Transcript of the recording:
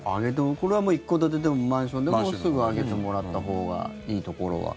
これは一戸建てでもマンションでもすぐ上げてもらったほうがいいところは。